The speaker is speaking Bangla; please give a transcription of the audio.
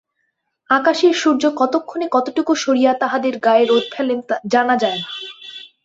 আকাশের সূর্য কতক্ষণে কতটুকু সরিয়া তাহদের গায়ে রোদ ফেলেন জানা যায় না।